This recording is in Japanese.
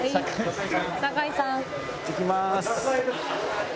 いってきまーす。